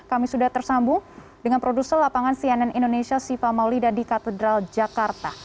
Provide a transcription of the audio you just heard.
kami sudah tersambung dengan produser lapangan cnn indonesia siva maulida di katedral jakarta